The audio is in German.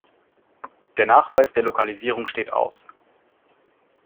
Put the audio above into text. Der Nachweis der Lokalisierung steht aus.